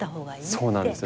そうなんですよ。